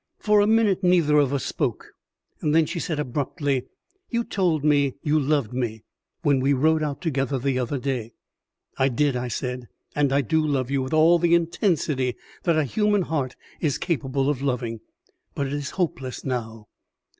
For a minute neither of us spoke; then she said abruptly, "You told me you loved me when we rode out together the other day." "I did," I said, "and I do love you with all the intensity that a human heart is capable of loving; but it is hopeless now."